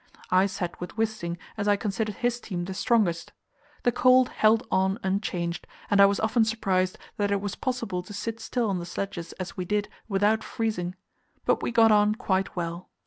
I sat with Wisting, as I considered his team the strongest. The cold held on unchanged, and I was often surprised that it was possible to sit still on the sledges, as we did, without freezing; but we got on quite well.